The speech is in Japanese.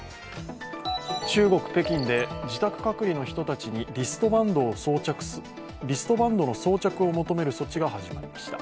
中国北京で自宅隔離の人たちにリストバンドの装着を求める措置が始まりました。